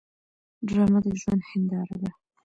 ډرامه د ژوند هنداره ده